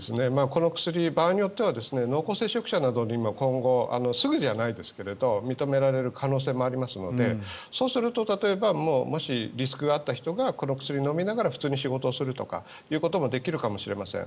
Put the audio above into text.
この薬、場合によっては濃厚接触者などにも今後、すぐじゃないですが認められる可能性もありますのでそうすると、例えばリスクがあった人がこの薬を飲みながら普通に仕事するということもできるかもしれません。